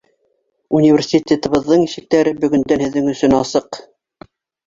Университетыбыҙҙың ишектәре бөгөндән һеҙҙең өсөн асыҡ!